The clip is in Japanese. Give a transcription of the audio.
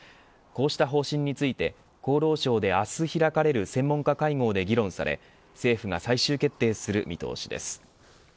こうした方針について厚労省で明日開かれる専門家会合で議論され政府が最終決定する見通しです。